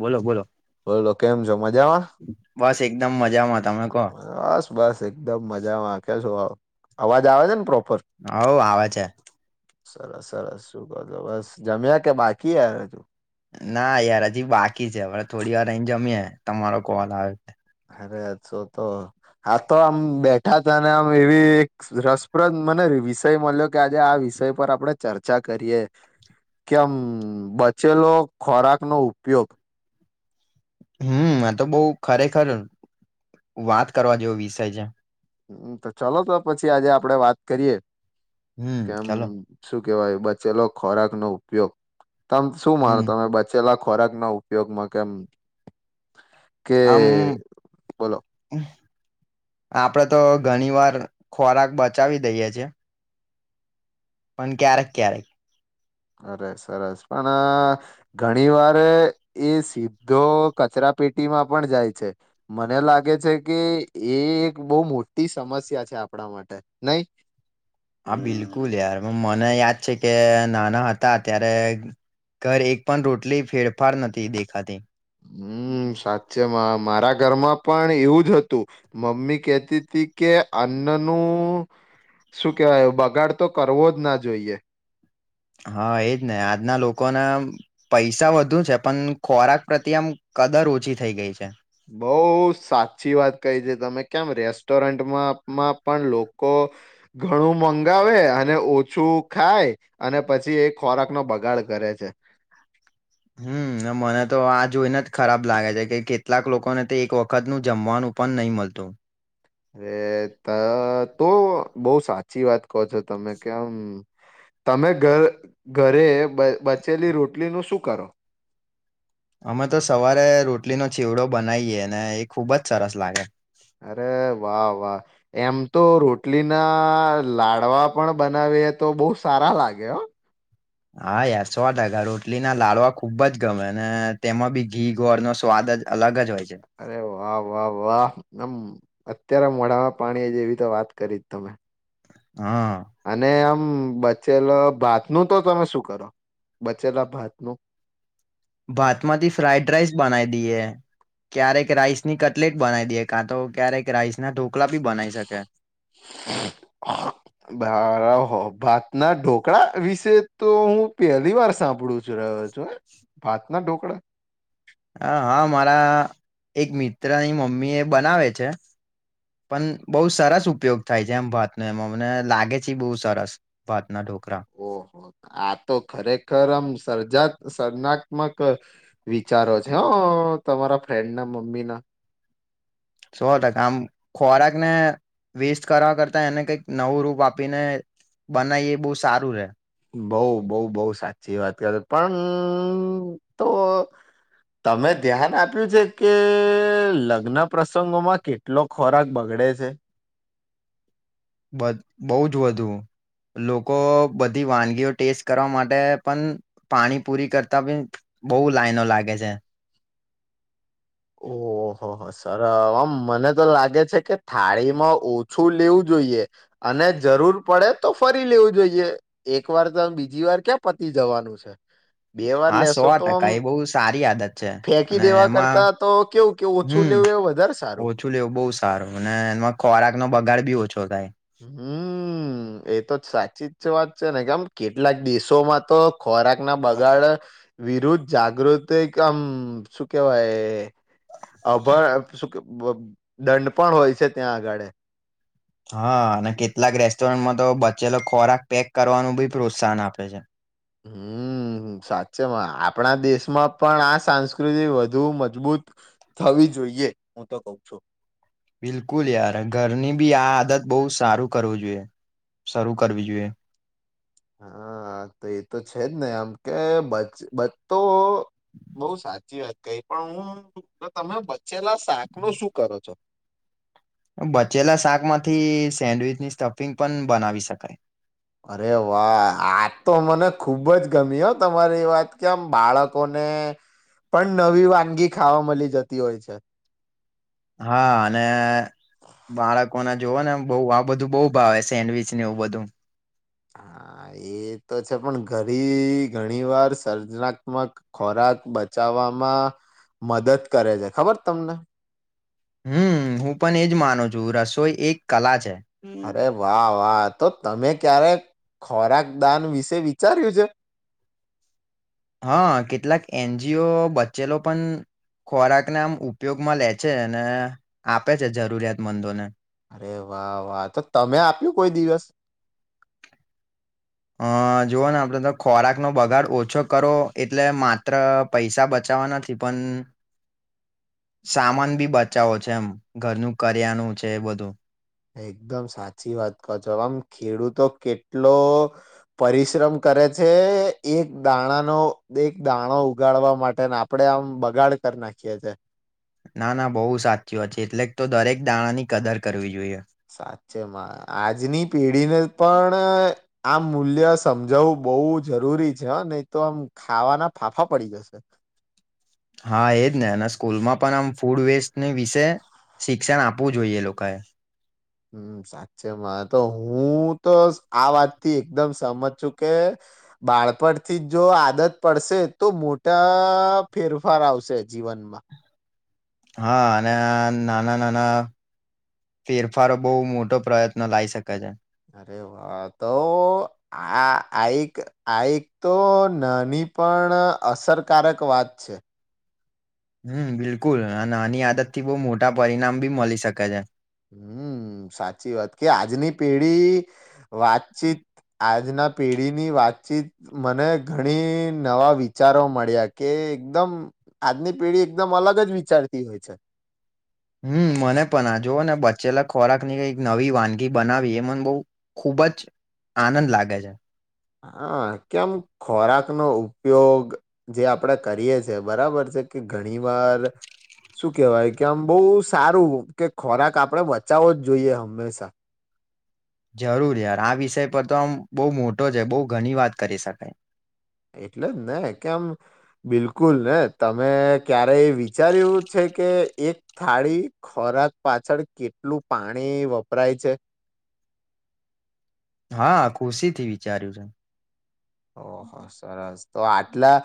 બોલો બોલો. બોલો કેમ છો મજામાં? બસ એકદમ મજામાં. તમે કહો બસ બસ એકદમ મજામાં [unintelligible] અવાજ આવે છે ને પ્રો હઉ આવે છે. સરસ સરસ શું કર તો બસ જમ્યા કે બાકી યાર અજુ ના યાર અજી બાકી છે અમણે થોડી વાર રઈને જમીએ તમારો કોલ આયો અરે શો તો આ તો આમ બેઠા તા ન આમ એવી એક રસપ્રદ મને વિષય મલ્યો કે આજે આ વિષય પર આપડે ચર્ચા કરીએ ક્ય અમ બચેલો ખોરાકનો ઉપયોગ હમ્મ, આ તો બહુ ખરેખર વાત કરવા જેવો વિષય છે. હમ્મ તો ચાલ તો પછી આજે આપડે વાત કરીએ હમ કેમ ચાલો શું કેવાય બચેલો ખોરાક નો ઉપયોગ તમ શું માનો હમ તમે બચેલા ખોરાક ના ઉપયોગમાં કેમ કે આમ બોલો આપડે તો ઘણી વાર ખોરાક બચાવી દઈએ છે. પણ ક્યારેક ક્યારેક. અરે સરસ પણ અહ ઘણી વારે એ સીધો કચરા પેટીમાં પણ જાય છે મને લાગે છે કે એ એક બહુ મોટી સમસ્યા છે આપડા માટે નહી? હા બિલકુલ યાર પણ મને યાદ છે કે નાના હતા ત્યારે ઘર એક પણ રોટલી ફેરફાર નથી દેખાતી. હમ્મ, સાચ્ચે મેં આમ મારા ઘરમાં પણ એવું જ હતું મમ્મી કેતી તી કે અન્નનું શું કેવાય બગાડ તો કરવો જ ના જોઈએ. હા, એજ ને આજના લોકોના પૈસા વધુ છે પણ ખોરાક પ્રત્યે આમ કદર ઓછી થઈ ગઈ છે. બઉ સાચી વાત કહી છે તમે કેમ રેસ ટોરન્ટમાં માં પણ લોકો ઘણું મંગાવે અને ઓછું ખાય એ અને પછી એ ખોરાક નો બગાડ કરે છે. હમ્મ. હમ્મ મને તો આ જોઈને જ ખરાબ લાગે છે કે કેટલાક લોકોને તે એક વખત નું જમવાનું પણ નહી મલ તો. અરે તા તો બહુ સાચી વાત કહો છો તમે કે આમ તમે ઘર ઘરે બ-બચેલી રોટલીનું શું કરો? અમે તો સવારે રોટલીનો ચીવડો બનાવીએ ને એ ખુબ જ સરસ લાગે. અરે વાહ વાહ એમ તો રોટલીના લાડવા પણ બનાવીએ તો બહુ સારા લાગે હા. હા યાર સો ટકા રોટલી ના લાડવા ખુબ જ ગમે ને તેમાં બી ઘી ગોર નો સ્વાદ દ અલગ જ હોય. છે અરે વાહ વાહ વાહ આમ અ ત્યારે મોડામાં પાણી જેવી તો વાત કરી તમે. હા અને આમ હમ્મ બચેલા ભાતનું તો તમે શું કરો, બચેલા ભાતનું? ભાતમાંથી ફ્રાઇડ રાઇસ બનાઈ દઈએ. ક્યારેક રાઈસની કટલેટ બનાવી દઈએ કાં તો ક્યારેક રાઈસ ના ડો બળ ભત ના ઢોકળા વિશે તો હું પહેલી વાર સાંભળું જ રહ્યો છું ભત ના ઢોકળ હા હા મારા એક મિત્રની મમ્મી એ બનાવે છે પણ બહુ સરસ ઉપયોગ થાય છે એમ ભાતનો એમાં મને લાગે છે બહુ સરસ ભાતના ો ઓહો આ તો ખરેખર આમ સર્જા સર્નાત્મક વિચારો છે હ તમારા ફ્રેન્ડ ના મમ્મી ના શો હતા આમ ખોરાક ને વેસ્ટ કરવા કરતા એને કઈક નવું રૂપ આપીને બનાવી એ બહુ સારું રે બઉ બઉ બઉ સાચી વાત કરે પણ તો તમે ધ્યાન આપ્યું છેકે લગ્ન પ્રસંગોમાં કેટલો ખોરાક બગ ગડે છે. બધ બહુ જ વધુ. લોકો બધી વાનગીઓ ટેસ્ટ કરવા માટે પણ પાણી પૂરી કરતા બી બોઉ લાઈનો લાગે છે. ઓહહોહો સર આમ મને તો લાગે છેકે થાળીમાં ઓછું લેવું જોઈ અને જરૂર પડે તો ફરી લેવું જોઈએ એક વારતો બીજી વાર ક્યાં પતિ જવાનું છે બે વાર હા સો લેશો તોમ ટકા એ બહુ સારી આદત છે ફેંકી અને દેવા કર એમાં તાતો કેવું. હમ, સારું ઓછું લેવું બો સારું અને એમાં ખોરાકનો બગાડ બી ઓછો થાય. હમ, એતો સાચી જ વાત છેને કેમ કેટલાક દેશોમાં તો ખોરાકનાં બગાડ વિરુદ્ધ જાગૃતિકમ શું કેવાય અભણ એમ શું કેવ દંડ પણ હોય છે ત્યાં આગાળે. હા, અને કેટલાક રેસ્ટોરન્ટમાં તો બચેલો ખોરાક પેક કરવાનું બી પ્રોત્સાહન આપે છે. હમ. સાચેમાં આપણા દેશમાં પણ આ સાંસ્કૃતિ વધુ મજબૂત થવી જોઈએ હું તો કઉ છું. બિલકુલ યાર, ઘરની બી આ આદત બો સારું કરવું જોઈએ. શરૂ કરવી જોઈએ. હા, તો એતો છેજ ને આમ કે બચ બચતો. બહુ સાચી વાત કહી પણ હું તમે બચેલા શાકનું શું કરો છો? [inaudible] બચેલા શાકમાંથી સેન્ડવીચની સ્ટફિંગ પણ બનાવી શકાય. અરે વાહ, આતો મને ખૂબ જ ગમી હ તમારી વાત કેમ બાળકોને ને પણ નવી વાનગી ખાવા મલી જતી હોય છે. હા, અને બાળક લોકોના જોવાના આમ બો આ બધું બો ભાવે સેન્ડવીચને એવું બધું. [unintelligible] એતો છે પણ ઘરી ઘણી વાર સર્જનાત્મક ખોરાક બચાવ વામાં મદદ કરે છે ખબર તમને હમ, હું પણ એજ માનું છું રસોઈ એક કલા છે. અરે વાહ વાહ. તો તમે ક્યારે ખોરાક દાન વિશે વિચાર્યું છે. હા, કેટલાક એનજીઓ બચેલો પણ ખોરાકને આમ ઉપયોગમાં લે છે અને આપે છે જરૂરિયાત મંદોને. અરે વાહ વાહ તો તમે આપ્યું કોઈ દિવસ અ જોઓને આપણે તો ખોરાકનો બગાડ ઓછો કરો એટલે માત્ર પૈસા બચ ચાવા નથી પણ [inaudible] સામાન બી બચાવો છે એમ ઘરનું કરિયાનું છે એ બધું. એકદમ સાચી વાત કહો છો, આમ ખેડૂતો કેટલો પરિશ્રમ કર કરે છે એક દાણાનો એક દાણો ઉગાડવા માટે ને આપડે આમ બગાડ કર નાખીયા છે. ના ના બહુ સાચી વાત છે, એટલે તો દરેક દાણાની કદર કરવી જોઈએ. સા છે માં આજની પેઢીને પણ આ મૂલ્ય સમજાવવું બહુ જરૂ રૂરી છે હ નયતો આમ ખાવાનાં ફાંફા પડી જશે. હા, એજને અને સ્કૂલમાં પણ આમ ફૂડ વેસ્ટની વિશે શિક્ષણ આપવું જોઈએ એ લોકાએ. હમ્મ, સાચેમાં તો હું તો આ વાતથી એકદમ સમજ છું કે બાળપણથી જો આદત પડશે તો મોટા ફેરફાર આવશે જીવ વનમાં. હા, અને આ નાના નાના ફેરફારો બહુ મોટો પ્રયત્ન લાઈ શકે છે. અરે વા તો આ આઈક આઈક તો નાની પણ અસરકારક વાત છે. હમ્મ, બિલકુલ અને નાની આદત થી બહુ મોટા પરિણામ બી મલી શકે છે હમ, સાચી વાત, કે આજની પેઢી વાતચીત આજના પેઢીની વાતચીત મને ઘણી, નવા વિચારો મળ્યા કે એકદમ, આજની પેઢી એકદમ અલગ જ વિચારતી હોય છે. હમ, મને પણ. આ જોઓને, બચેલા ખોરાકની કંઈક નવી વાનગી બનાવવી, એ મને બહુ ખુબ ખુબ જ, આનંદ લાગે છે. હા, કેમ ખોરાકનો ઉપયોગ જે આપડે કરીએ છે, બરાબર છે. કે ઘણી વાર શું કેવાય કે આમ બહુ સારું, કે ખોરાક આપણે બચાવવો જ જોઈએ હંમેશા. જરૂર યાર. આ વિષય પર તો આમ બહુ મોટો છે, બહુ ઘણી વાત કરી શકાય. એટલે જ ને, કે આમ બિલકુલ ને તમે ક્યારેય વિચાર્યું છે, કે એક થાળી ખોરાક પાછળ કેટલું પાણી વપરાય છે? હા, ખુશીથી વિચાર્યું છે. ઓહ સરસ. તો આટલા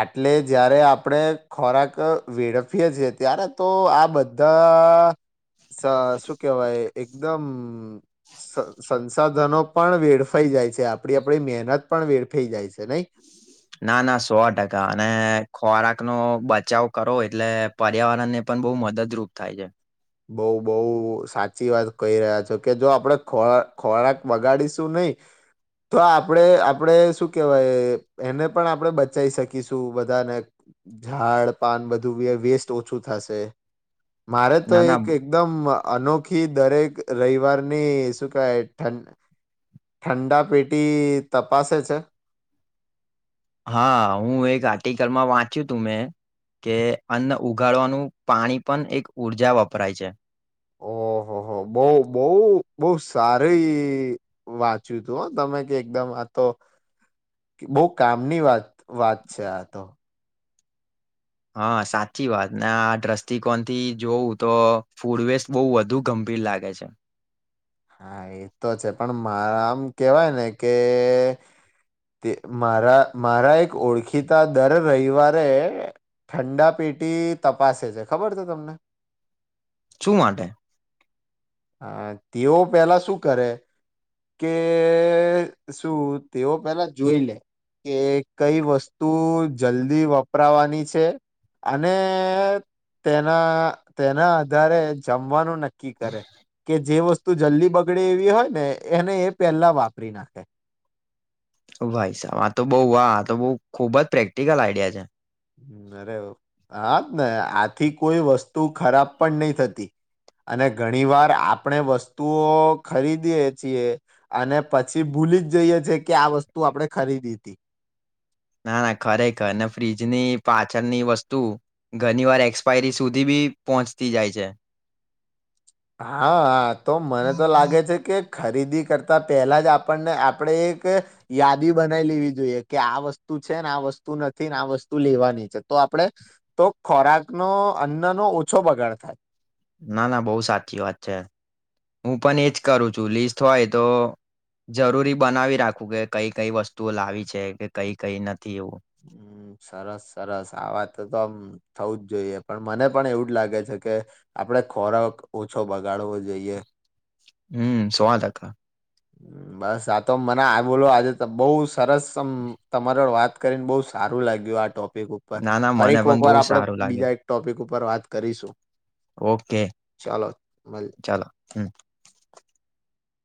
આટલે જયારે આપણે ખોરાક વેડફીએ છીએ, ત્યારે તો આ બધ્ધા, શું કેવાય એકદમ સ સંસાધનો પણ વેડફાઈ જાય છે, આપડી આપણી મહેનત પણ વેડફ ફાઈ જાય છે, નહીં? ના ના સો ટકા. અને ખોરાકનો બચાવ કરો એટલે પર્યાવરણને પણ બહુ મદદરૂપ થાય છે. બઉ, બહુ સાચી વાત કહી રહ્યા છો, કે જો આપડે ખોર ખોરાક બગાડીશું નહીં, તો આપણે આપણે શું કેહેવાય, એને પણ આપણે બચાઈ શકીશું બધાને. ઝાડ પાન બધું વે વેસ્ટ ઓછું થશે. મારે તો ના ના એક એકદમ અનોખી દરેક રઈવારની, શું કહેવાય ઠંડા પેટી તપાસે છે? હા, હું એક આર્ટિકલમાં વાંચ્યું તું મેં કે અન્ન ઉગાડવાનું પાણી પણ એક ઊર્જા વપરાય છે. ઓહહ બહુ બહુ, બહુ સારી વાંચ્યું તું હં તમે કે એકદમ, આ તો બહુ કામની વાત, વાત છે આ તો. હા સાચી વાત. ને આ દ્રષ્ટિકોણથી જોવું તો ફૂડ વેસ્ટ બઉ વધુ ગંભી ભીર લાગે છે. હા એતો છે, પણ મારા આમ કેવાય ને કે તે મારા મારા એક ઓળખીતા દર રવિવારે ઠંડા પેટી તપાસ છે, ખબર છે તમને શું માટે? હ, તેઓ પેલા શું કરે? કે શું તેઓ પેલા જોઈ લે કે કઈ વસ્તુ જલ્દી વપરાવાની છે? અને તેના તેના આધારે જમવાનું નક્કી કરે કે જે વસ્તુ જલ્દી બગડે એવી હોય ને એને એ પેલા વાપરી નાખે. ભાઈ સાહેબ આ તો બઉ વાહ તો બહ ખુબ જ પ્રેક્ટિકલ આઈડિયા છે અરે હા જ ને, આથી કોઈ વસ્તુ ખરાબ પણ નહી થતી. અને ઘણી વાર આપણે વસ્તુઓ ખરીદીએ છીએ અને પછી ભૂલી જઈએ છે કે, આ વસ્તુ આપણે ખરીદીતી. ના. ના. ખરેખર ફ્રીજની પાછળની વસ્તુ ઘણી વાર એક્સપાયરી સુધી બી ધી પહોંચતી જાય છે. હા તો મને તો લાગે છે કે ખરીદી કરતા પહેલા જ આપણને આપણેે એક યાદી બનાવી લેવી જોઈએ કે આ વસ્તુ આ વસ્તુ નથી ને આ વસ્તુ લેવાની છે, તો આપડે તો ખોરાકનો અન્નનો ઓછો બગાડ થાય ના. ના. બહુ સાચી વાત છે, હું પણ એજ કરું છું લિસ્ટ હોય તો જરૂરી બનાવી રાખવું કે, કઈ કઈ વસ્તુઓ લાવી છે કે કઈ કઈ ન હમ સરસ સરસ, આ વાત તો આમ થવું જ જોઈએ, પણ મને પણ એવું જ લાગે છે કે, આપડે ખોરાક ઓછો બગાડવો જોઈએ [inaudible] હમ સો ટકા [unintelligible] બસ આ તો મને આ બોલો આજે બહુ સરસ અમ તમારો વાત કરીને બહુ સારું લાગ્યું આ ટોપ ટપિક ઉપર, ના ના મને ફરીક પણ વાર બહુ આપડે સારું લાગ્યું બીજા એક ટોપિક ઉપર વાત કરીશું. ઓકે, ચાલો મલ ચાલો હમ્મ.